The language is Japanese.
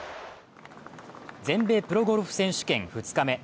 全米プロゴルフ選手権２日目。